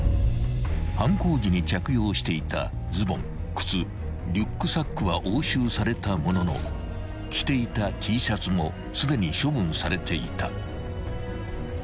［犯行時に着用していたズボン靴リュックサックは押収されたものの着ていたＴシャツもすでに処分されていた］